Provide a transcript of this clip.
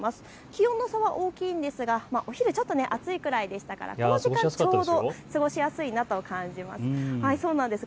気温の差は大きいんですが、お昼ちょっと暑いくらいでしたからこの時間、ちょうど過ごしやすいなと感じます。